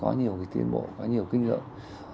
có nhiều tiến bộ có nhiều kinh lượng